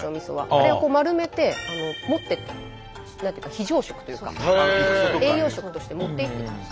あれを丸めて持っていった非常食というか栄養食として持っていってたんです。